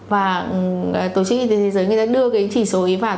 và tổ chức y tế thế giới người ta đưa cái chỉ số ý vào